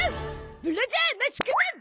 ブラジャーマスクマン！